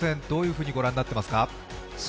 どういうふうにご覧になっていますか。